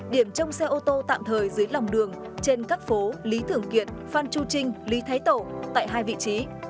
điểm trong xe ô tô tạm thời dưới lòng đường trên các phố lý thưởng kiệt phan chu trinh lý thái tổ tại hai vị trí